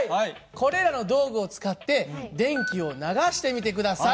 これらの道具を使って電気を流してみて下さい。